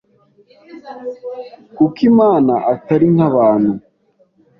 kuko Imana Atari nk’abantu